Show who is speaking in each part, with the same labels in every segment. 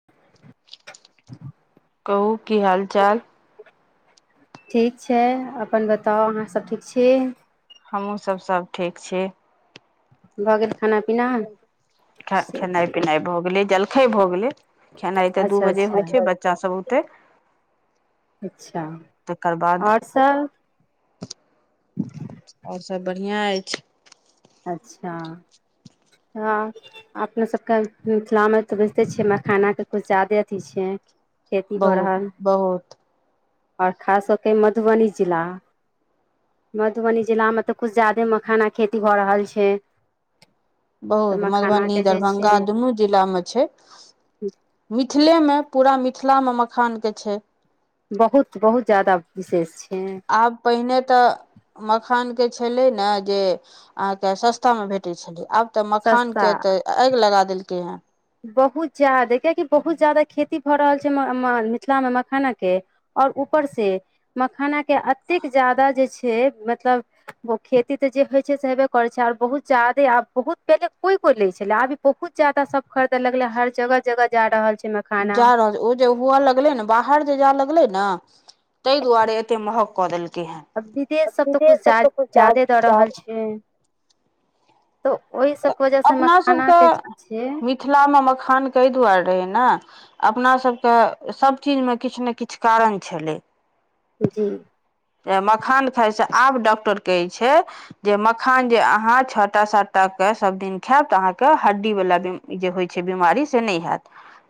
Speaker 1: [unintelligible]
Speaker 2: कहू की हाल चाल
Speaker 1: ठीक छै अपन बताउ अहाँ सब ठीक छी
Speaker 2: हमहुँ सब सब ठीक छी
Speaker 1: भऽ गेल खाना पीना
Speaker 2: [inaudible] हँ
Speaker 1: से
Speaker 2: खेनाइ पिनाइ भऽ गेले जल खै भऽ गेलै खेनाइ ते दू
Speaker 1: अच्छा
Speaker 2: बजे
Speaker 1: अच्छा
Speaker 2: होइ छै बच्चा सभ ओते [inaudible]
Speaker 1: अच्छा आओर सब
Speaker 2: आओर सभ बढ़िआँ अछि
Speaker 1: अच्छा हँ अपने सभके मिथिलामे तऽ बुझिते छियै मखानाके किछु जादे अथी छै खेती भऽ
Speaker 2: बहुत
Speaker 1: रहल
Speaker 2: बहुत
Speaker 1: आओर खास कऽ कऽ मधुबनी जिला मधुबनी जिलामे तऽ किछु ज्यादे मखानाक खेती भऽ रहल छै तऽ
Speaker 2: बहुत मधुबनी
Speaker 1: मखानाके जे
Speaker 2: दरभंगा
Speaker 1: छै
Speaker 2: दूनू जिला मे छै मिथिले मे पूरा मिथिला मे मखान के छै
Speaker 1: बहुत बहुत जादा विशेष छै
Speaker 2: आब पहिने तऽ मखानके छलै ने जे अहाँके सस्तामे भेटैत छलै आब तऽ मखानके
Speaker 1: सस्ता
Speaker 2: तऽ आगि लगा देलकै हँ
Speaker 1: बहुत ज्यादा किियकि बहुत ज्यादा खेती भऽ रहल छै मिथिलामे मखानाके आओर ऊपर से मखानाके अतेक जादा जे छै मतलब खेती तऽ जे होइ छै से हेबे करै छै आर बहुत ज्यादे आब बहुत पहिले कोइ कोइ लै छलै आब बहुत जादा सब खरीदे लगले हर जगह जगह जा रहल छै म
Speaker 2: जा रहल ओ जे हुए लगले ने बाहर जे जाय लगले ने ताहि दुआरे एते महग कऽ देलकै हेन
Speaker 1: आ विदेश सब तऽ कुछ ज्यदे दऽ रहल छै तऽ ओहि सबके वजह से मखानाके जे छै
Speaker 2: मिथिला मे मखान कऽ एय दुआरे रहे ने अपना सभके सभचीजमे किछु ने किछु कारण छलै
Speaker 1: जी
Speaker 2: मखान खाइ छै आब डॉक्टर कहै छै जे मखान जे अहाँ छोटा सातटा त्ताक सब दिन खायब तऽ अहाँके हड्डीवला जे होइ छै बीमारी से नहि हयत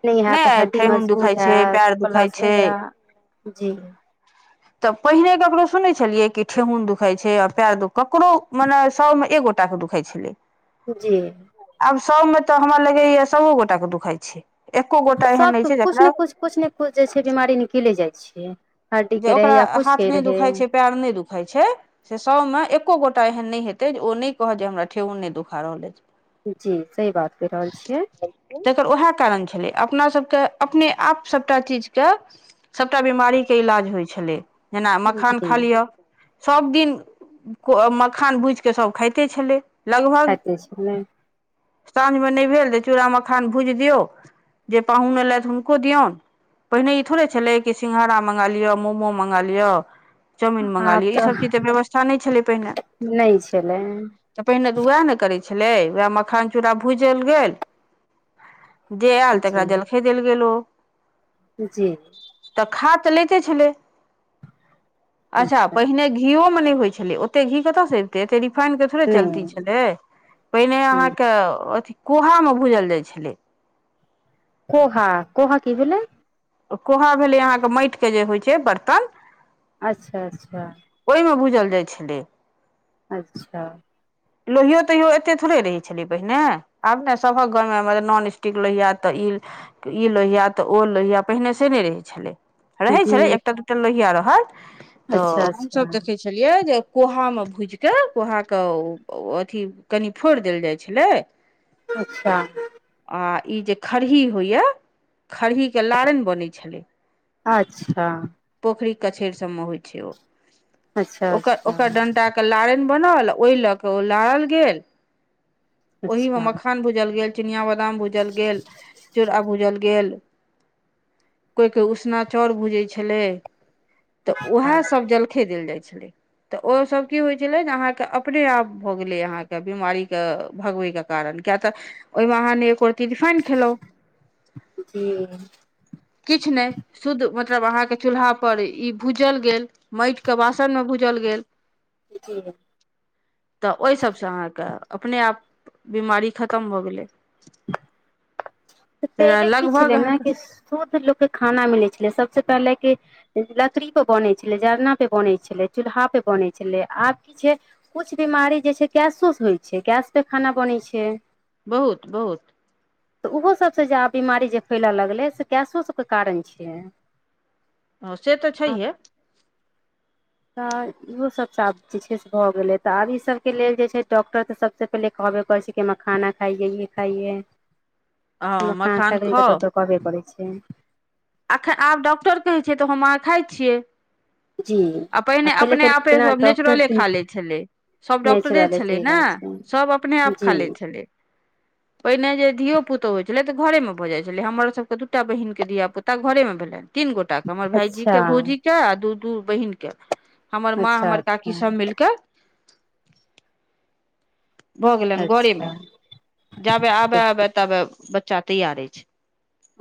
Speaker 1: न हयत हड्डी मजबूत हयत
Speaker 2: पयर दुखाइ
Speaker 1: प्लस
Speaker 2: छै
Speaker 1: वगैरह जी
Speaker 2: तऽ पहिने ककरो सुनने छलियै कि ठेहुन दुखाई छै आ पयर दुख ककरो मने सौ मे एगो एकटा दुखा छलै
Speaker 1: जी
Speaker 2: आब सौमे तऽ हमरा लगैए सौ ओ गोटे दुखाइ छै एको गोटा एहन नहि छै जकरा
Speaker 1: किछु जे छै बीमारी निकलि जाइ छै हड्डीके रहै या किछुके रहै
Speaker 2: पैर नहि दुूखै छै से सौ मे एको गोटा एहन नहि हेतै जे ओ नहि कहत जे हमरा ठेउन नहि दुखा रहल अछि
Speaker 1: जी सही बात कहि रहल छियै
Speaker 2: तकर उएह कारण छलै अपनासभके अपने आप सभटा चीजके सभटा बिमारीके इलाज होइ छलै जेना मखान
Speaker 1: जी
Speaker 2: खा लिअ सभ दिन मखान भूज कऽ सभ खाइते छलै लगभग
Speaker 1: खाइते छलै
Speaker 2: साँझमे नहि भेल जे चूड़ा मखान भुजि दियौ जे पाहुन एलथि हुनको दियऔन पहिने ई थोड़े छले कि सिंंगघहारा मंग लियअ मोमो मंगा लियअ चाउमीन मंगा लियै ईसभ चीज तऽ व्यवस्था नहि छलै पहिने
Speaker 1: नहि छलै
Speaker 2: तऽ पहिने तऽ उएह ने करै छलै उएह मखान चूड़ा भूजल गेल जे आयल तेकरा
Speaker 1: जी
Speaker 2: जलखे देल गेलो
Speaker 1: जी
Speaker 2: तऽ खा तऽ लेते छलै अच्छा पहिने घी यो मे नय होइ छले ओते घी कतऽ स ऐ एते रिफाइनड के थोड़े चलती
Speaker 1: नहि
Speaker 2: छलै पहिने
Speaker 1: जी
Speaker 2: अहाँके अथि कोहा मऽ भूजल जाइ छलै
Speaker 1: कोहा कोह कि भेलेय
Speaker 2: कोहा भेलै अहाँके माइट के जे होइ छै बर्तन
Speaker 1: अच्छा अच्छा
Speaker 2: ओय मे बुझल जाइ छलै
Speaker 1: अच्छा
Speaker 2: लोहियो तैयो एते थोड़े रहै छलै पहिने आब ने सभक घर मे नॉन स्टिक लोहिया तऽ ईल ई लोहिया तऽ ओ लोहिया पहिने से नय रहै छलै रहै
Speaker 1: जी
Speaker 2: छलै एकटा दूटा लोहिया रह तऽ
Speaker 1: अच्छा अच्छा
Speaker 2: हमसभ देखै छलियै जे कोहा मे भुज क कोहा के अथी कनि फोड़ देल जाइ छलै
Speaker 1: अच्छा
Speaker 2: आ ई जे खरही होइए खरही के लारैन बनै छलै
Speaker 1: अच्छा
Speaker 2: पोखरी कछेर सब में होइ छै ओ
Speaker 1: अच्छा
Speaker 2: ओ ओकर
Speaker 1: अच्छा
Speaker 2: डंटा लारेन बनल ओए लऽ के ओ लारल गेल ओहि मे
Speaker 1: अच्छा
Speaker 2: मखान भूजल गेल चिनिया बदाम भूजल गेल चूरा भूजल गेल कोइ कोइ उसना चाउर भूजै छलै तऽ
Speaker 1: अच्छा
Speaker 2: उएहसभ जलखे देल जाइ छलै तऽ ओसभ की होइ छलै जे अहाँकेँ अपने आप भऽ गेले अहाँके बीमारी के भगबे के कारण किया तऽ ओहिमे अहाँ रिफइन खेलौ
Speaker 1: जी
Speaker 2: किछ नय शुद्ध मतलब अहाँके चूल्हा पर ई भूजल गेल माइट के बासन मे भूजल गेल
Speaker 1: [inaudible]
Speaker 2: तऽ ओय सभसँ अहाँके अपने आप बिमारी खतम भऽ गेलै
Speaker 1: तऽ पहिले की
Speaker 2: लगभग
Speaker 1: छलै ने
Speaker 2: अहाँके
Speaker 1: कि शुद्ध लोक के खाना मिलै छलै सबसँ पहिले कि लकड़ी पे बनै छलै जरना पे बनै छलै चूल्हा पे बनै छलै आब की छै कुछ बीमारी जे छै गैसो स होइ छै गैस पे खाना बनै छै
Speaker 2: बहुत बहुत
Speaker 1: तऽ ओहो सभसँ जे आब बिमारी जे फैलय लगलै से गैसो सभके कारण छै यऽ
Speaker 2: अ से तऽ छैहे
Speaker 1: तऽ इहो सब आब जे छै से भऽ गेले तऽ आब ई सब के लेल जे छै डॉक्टर के सबसे पहिले कहबे करय छै कि मखाना खाइयए ये खाइयए
Speaker 2: हँ
Speaker 1: मखाना
Speaker 2: मखान
Speaker 1: खा के लैल तऽ डाक्टर कहबे करै छै
Speaker 2: अखन आब डॉक्टर कहै छै तऽ हम आहाँ खाय छियै
Speaker 1: [inaudible]
Speaker 2: आ पहिने
Speaker 1: पहिले
Speaker 2: अपने
Speaker 1: तऽ
Speaker 2: आपे
Speaker 1: बिना
Speaker 2: सब
Speaker 1: डॉक्टर
Speaker 2: नेचुरले
Speaker 1: के
Speaker 2: खा लै छलै सब डॉक्टरे
Speaker 1: नेचुरले
Speaker 2: छलै
Speaker 1: सही
Speaker 2: ने
Speaker 1: बात छै
Speaker 2: सब अपने आप
Speaker 1: जी
Speaker 2: खा लै छलै पहिने जे धियो पुतो होइ छले तऽ घरे में भऽ जाइ छले हमर सब के दूटा बहिन के धिया पुता घरे में भेलेन तीन गोटा के हमर भायजी
Speaker 1: अच्छा
Speaker 2: के भौजी के आ दू दू बहिन के हमर माँ
Speaker 1: अच्छा
Speaker 2: हमर काकी
Speaker 1: अच्छा
Speaker 2: सब मिल के भऽ गेलेन घरे मे
Speaker 1: अच्छा
Speaker 2: जाबे आबे
Speaker 1: ठीक
Speaker 2: आबे तबे बच्चा तैयार ऐछ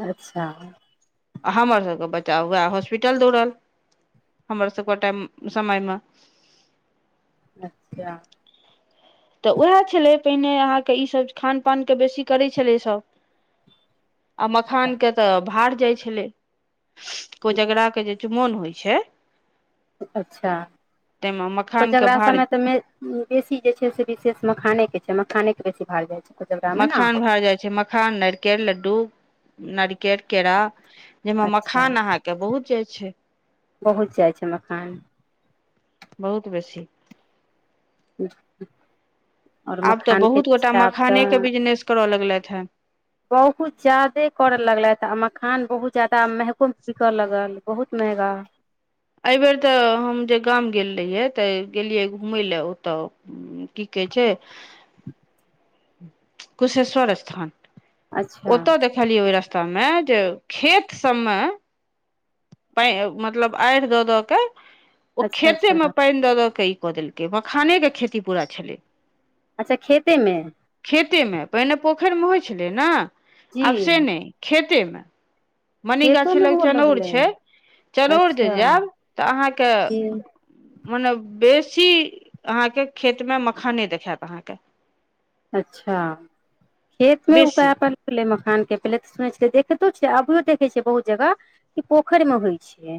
Speaker 1: अच्छा
Speaker 2: आ हमरसभके बच्चा उएह हॉस्पिटल दौड़ल हमरसभके टाइम समयमे
Speaker 1: अच्छा
Speaker 2: तऽ उएह छलै पहिने अहाँके ईसभ खान पानके बेसी करै छलै सभ आ मखान के तऽ भार जाइ छलै कोजगरा के जे ु मोन होइ छै
Speaker 1: अच्छा
Speaker 2: ताहिमे मखानके
Speaker 1: कोजगरा
Speaker 2: भार
Speaker 1: समय तऽ मे बेसी जे छै से विशेष मखाने के छै मखाने के बेसी भाड़ जाय छै कोजगरा मे ने
Speaker 2: मखान भार जाइ छै मखान नारिकल लड्डू नारिकल केरा जाहिमे
Speaker 1: अच्छा
Speaker 2: मखान अहाँके बहुत जाइ छै
Speaker 1: बहुत जाइ छै मखान
Speaker 2: बहुत बेसी
Speaker 1: [unintelligible] आओर
Speaker 2: आब तऽ
Speaker 1: मखान के
Speaker 2: बहुत गोटा
Speaker 1: आब
Speaker 2: मखाने के
Speaker 1: तऽ
Speaker 2: बिजनेस करऽ लगलथि हे
Speaker 1: बहुत ज्यादे करऽ लगलथि आ मखान बहुत ज्याददा महगो बिकऽ लगल बहुत महगा
Speaker 2: एहि बेेर तऽ हम जे गाम गेल रहियै तऽ गेलियै घूमय लए ओतऽ की कहै छै कुशेश्वर स्थान
Speaker 1: अच्छा
Speaker 2: ओतऽ देख खलियै ओहि रस्ता में जे खेत सब मे प मतलब आढ़ द द के ओ
Speaker 1: अच्छा
Speaker 2: खेते मे
Speaker 1: अच्छा
Speaker 2: पानि द द के ई कऽ देलकै मखाने के खेती पूरा छलै
Speaker 1: अच्छा खेतेमे
Speaker 2: खेतेमे पहिने पोखरिमे होइत छलै ने
Speaker 1: जी
Speaker 2: आब से नहि खेतेमे
Speaker 1: खेतो
Speaker 2: मनिगाछी
Speaker 1: मे
Speaker 2: लग
Speaker 1: हुअ
Speaker 2: चनौर
Speaker 1: लगलै
Speaker 2: छै चनौर जे
Speaker 1: अच्छा
Speaker 2: जायब तऽ अहाँके
Speaker 1: खे
Speaker 2: मने बेसी अहाँके खेत मे मखाने देखायत अहाँके
Speaker 1: अच्छा खेत मे उप
Speaker 2: बेसी
Speaker 1: अपन ै मखान के पहिले तऽ सुनै छ देखितो छ अभियो देखै छियै बहुत जगह ई पोखरि मे होइ छियै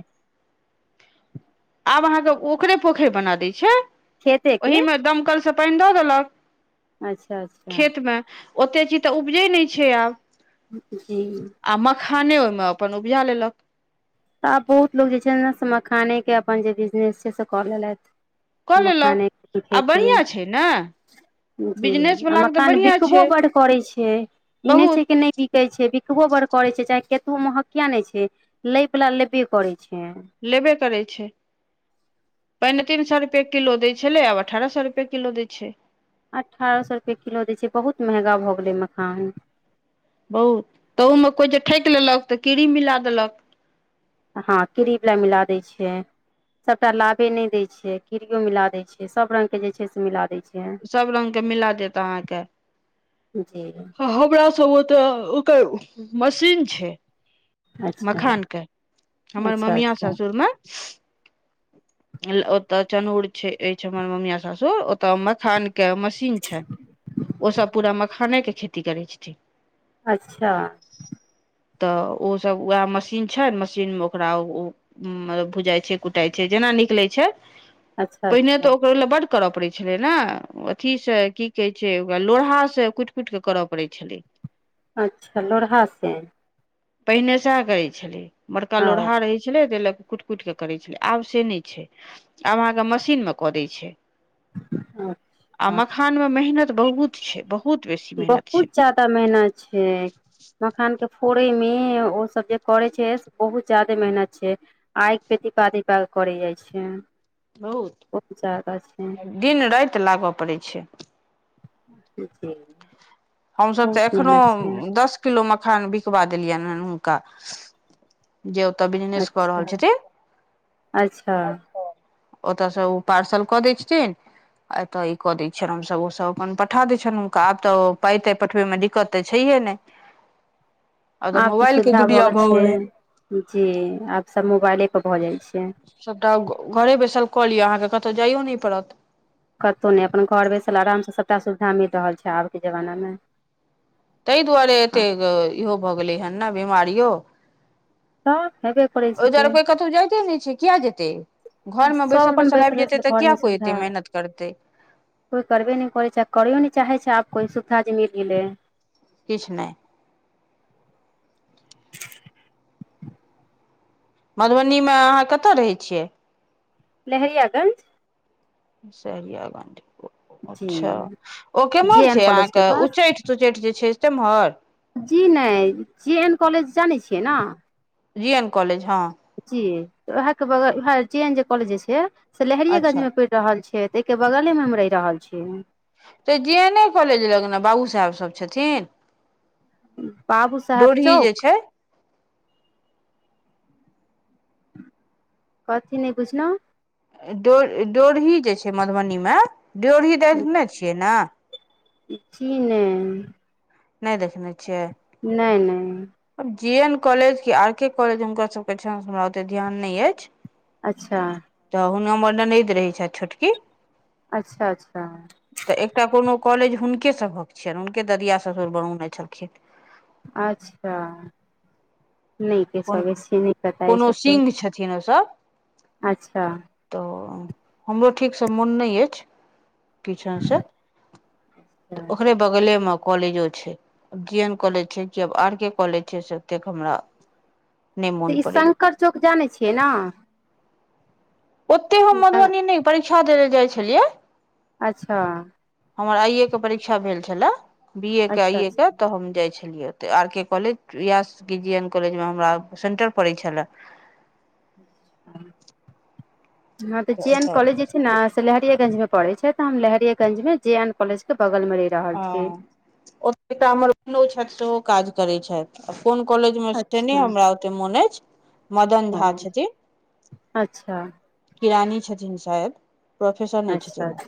Speaker 2: आब अहाँके ओकरे पोखरि बना दै छै
Speaker 1: खेते के
Speaker 2: ओहिमे दमकलसँ पानि दऽ देलक
Speaker 1: अच्छा अच्छा
Speaker 2: खेतमे ओतेक चीज तऽ उपजै नहि छै आब
Speaker 1: [unintelligible]
Speaker 2: आ मखाने ओहिमे अपन उऊपजा लेलक
Speaker 1: तऽ आब बहुत लोको जे छै ने से मखानेके अपन जे बिजनेस छै से कऽ लेलथि
Speaker 2: कऽ लेलक
Speaker 1: मखाने
Speaker 2: आ
Speaker 1: खेतीै
Speaker 2: बढ़िआँ छै ने
Speaker 1: जी आ
Speaker 2: बिजनेसवलाके तऽ
Speaker 1: मकान
Speaker 2: बढ़िआँ
Speaker 1: बिकबो
Speaker 2: छै
Speaker 1: बड्ड करैत छै ई नहि छै
Speaker 2: बहुत
Speaker 1: कि नहि बिकै छै बिकबो बड़ करे छै चाहे केतो महक कििया नहि छै लय वला लेबे करै छै
Speaker 2: लेबे करै छै पहिने तीन सए रुपए किलो दै छलै आब अठारह सए रुपए किलो दै छै
Speaker 1: अठारह सए रुपए किलो दै छै बहुत महगा भऽ गेलै मखान
Speaker 2: बहुत तहूमे कोइ जे ठकि लेलक तऽ कीड़ी मिला देलक
Speaker 1: हँ कोड़ी वला मिला दै छिय सभटा लाभे नहि दै छै खीड़ियो मिला दै छै सब रंगग के जे छै से मिला दै छै
Speaker 2: सब रंगग के मिला देत अहाँके
Speaker 1: जी
Speaker 2: हमरा सब ओते ओकर मशीन छै
Speaker 1: अच्छा
Speaker 2: मखान के हमर
Speaker 1: अच्छा
Speaker 2: ममिया
Speaker 1: अच्छा
Speaker 2: सासुरमे ओतऽ चनहुड़ छै अछि हमर मम्मिया सासुर ओतऽ मखान किया मशीन छनि ओ सब पूरा मखाने के खेती करै छथिन
Speaker 1: अच्छा
Speaker 2: तऽ ओसभ उएह मशीन छै मशीनमे ओकरा ओ मतलब भुजाइ छै कुटाइ छै जेना निकलै छै
Speaker 1: अच्छा
Speaker 2: पहिने तऽ
Speaker 1: अच्छा
Speaker 2: ओकरो लए बड करय पड़ छलै ने अथीसँ की कहै छै ओकरा लोरहासँ कुटि पुटि कऽ करय पड़ैत छलै
Speaker 1: अच्छा लोढ़हा से
Speaker 2: पहिने सएह करैत छलै बड़का
Speaker 1: ओ
Speaker 2: लोढ़हा रहैत छलै तेलक कुटि कुटि कऽ करै छलै आब से नहि छै आब अहाँके मशीनमे कऽ दै छै
Speaker 1: [unintelligible]
Speaker 2: आ मखान में मेहनत बहुत छै बहु
Speaker 1: बहुत जादा मेहनत छै मखान के फोड़े मे ओ सब जे करे छै बहुत जादे मेहनत छै आग पे घीपा घोपा कऽ करय जाइ छै
Speaker 2: बहुत
Speaker 1: ज्यादा छै
Speaker 2: दिन राति लागऽ पड़ै छै
Speaker 1: [unintelligible]
Speaker 2: हमसभ तऽ
Speaker 1: बहुत
Speaker 2: एखनो
Speaker 1: मेहनत छै
Speaker 2: दस किलो मखान बिकबा देलियनि हेँ हुनका जे ओत बिजनेस कऽ
Speaker 1: अच्छा
Speaker 2: रहल छथिन
Speaker 1: अच्छा
Speaker 2: ओतऽ से ओ पार्सल कऽ देय छथिन एतऽ ई कऽ दै छियनि हमसभ ओसभ अपन पठा दे छन हुनका आब तऽ पाई ताई पठबे में द दिक्कत तऽ छैहे नहि
Speaker 1: आब तऽ
Speaker 2: मोबाइल के
Speaker 1: सुविधा
Speaker 2: दुनिया
Speaker 1: भऽ गेल
Speaker 2: गेलै
Speaker 1: छै जी आब सब मोबाइलेपर भऽ जाइ छै
Speaker 2: सभटा घरे बैसल कऽ लिअ अहाँके कतहु जाइयो नहि पड़त
Speaker 1: कतहु नहि अपन घर बैसल आराम से सबटा सुविधा मिल रहल छै आब के जमाना मे
Speaker 2: ताहि दुआरे एतेक इहो भऽ गेलै हेन नऽ बिमारियो
Speaker 1: तऽ हेबे करै
Speaker 2: ओई
Speaker 1: छिकै
Speaker 2: दुआरे कोई कतहु जाइते ने छै किया जेतै घरमे
Speaker 1: सब
Speaker 2: बैसल
Speaker 1: अपन
Speaker 2: बैसल आबि जेतै तऽ कििया
Speaker 1: घरमे
Speaker 2: कोइ
Speaker 1: सुविधा
Speaker 2: एतै मेहनत करतै
Speaker 1: कोइ करबे नहि करै छै आ करैो नहि चाहे छै आब कोइ सुविधा जे मिल गेलै
Speaker 2: किछु नहि मधुबनीमे अहाँ कतय रहै छियै
Speaker 1: लहरियाागं्ज
Speaker 2: सहरिया गंज
Speaker 1: जी
Speaker 2: अच्छा ओ
Speaker 1: जे
Speaker 2: केम्हर
Speaker 1: एन
Speaker 2: छै
Speaker 1: कॉलेज के
Speaker 2: अहाँके
Speaker 1: पास
Speaker 2: उच्चैठ सुचैठ जे छै से तेम्हर
Speaker 1: जी नहि जे एन कॉलेज जानै छियै ने
Speaker 2: जी एन कॉलेज हँ
Speaker 1: जी वएह के बगलह जे एन जे कॉलेज जे छै से
Speaker 2: अच्छा
Speaker 1: लहेरियेगंज मे रहल छै तहि के बगले मे हम रहि रहल छीियै
Speaker 2: तऽ जे एने कॉलेज लग नऽ बाबू साहेब सब छथिन
Speaker 1: बाबू साहेब
Speaker 2: डोरही जे
Speaker 1: चौक
Speaker 2: छै
Speaker 1: कथि नहि बुझलऊ
Speaker 2: डो ड्योढ़ी जे छै मधुबनीमे ड्योढ़ी देखने छियै ने
Speaker 1: जी नहि
Speaker 2: नहि देखने छियै
Speaker 1: नहि नहि
Speaker 2: जे एन कॉलेज कि आर के कॉलेज हुनकर सभके छनि हमरा ओतेक ध्यान नय अछि
Speaker 1: अच्छा
Speaker 2: तऽ हुनका हमर ननद रहैत छ छोटकी
Speaker 1: अच्छा अच्छा
Speaker 2: तऽ एकटा कोनो कॉलेज हुनके सभक छियनि हुनके ददिया ससुर बनौने छलखिन
Speaker 1: अच्छा नहि क सकै छियै नहि पता अछि ओतेक
Speaker 2: छ ओ सभ
Speaker 1: अच्छा
Speaker 2: तऽ हमरो ठीकसँ मोन नय अछि पीछाँ से तऽ
Speaker 1: अच्छा
Speaker 2: ओकरे बगले मे कॉलेजो छै जी एन कॉलेज छै किब आर के कॉलेज छै से एतेक हमरा नहि मोन
Speaker 1: तऽ ई
Speaker 2: पड़ैया
Speaker 1: शंकर चौक जानै छियै ने
Speaker 2: ओते हम
Speaker 1: अच्छा
Speaker 2: मधुबनी नहि परीक्षा देै लेल जाइ छलियै
Speaker 1: अच्छा
Speaker 2: हमर आइए के परीक्षा भेल छले बी ए के
Speaker 1: अच्छा
Speaker 2: आइए के तऽ हम जाइ छलियै आर के कॉलेज या के जी एन कॉलेजमे हमरा सेंटर पड़ै छलए
Speaker 1: हँ तऽ जेन कॉलज ने से लहरियेगंज मे पढ़े छै ते हम लहेरियगंज मे जे एन कॉलेज के बगल मे रहे
Speaker 2: ह ओत त हमर [unintelligible] छथि सेहो काज करैत छथि आ कोन कॉलेज मे से
Speaker 1: अच्छा
Speaker 2: नै हमरा ओते मोन अैछ मदन झा
Speaker 1: हँ
Speaker 2: छथिन
Speaker 1: अच्छा
Speaker 2: किरानी छथिन शायद प्रोफेसर नैय
Speaker 1: अच्छा
Speaker 2: छथिन ओ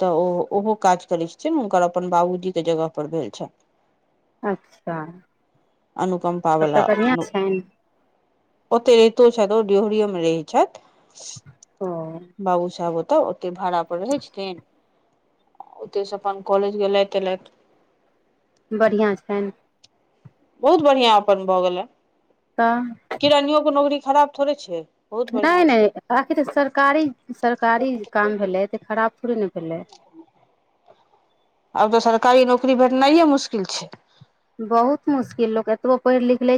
Speaker 2: तऽ ओ ओहो काज करैत छथि हुनकर अपन बाबूजीके जगहपर भेल छनि
Speaker 1: अच्छा
Speaker 2: अनुपम
Speaker 1: तब तऽ
Speaker 2: पाबला
Speaker 1: बढ़िआँ छनि
Speaker 2: ओते रहितो छथि ओ डिरिियो मे रहैत छथि
Speaker 1: ओ
Speaker 2: बाबू साहेब ओतऽ ओतैय भाड़ा पर रहै छथिन ओतऽ स अपन कॉलज गेलैथ- एलैथ
Speaker 1: बढ़ियां छैन
Speaker 2: बहुत बढ़ियां अपन भए गेल आ
Speaker 1: त
Speaker 2: किरानियो के नौकरी खराब थोड़े छैय
Speaker 1: नै - नै आखिर त सरकारी- सरकारी काम भेलै तऽ खराब थोड़ी न भेलै
Speaker 2: [inaudible] आब तऽ सरकारी नौकरी भेटनाइये मुश्किल छैय
Speaker 1: बहुत मुश्किल लोक एतबो पैढ़ लिख लेै छै